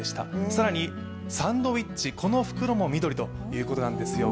更にサンドイッチこの袋も緑ということなんですよ。